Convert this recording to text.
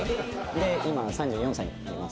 で今３４歳になります。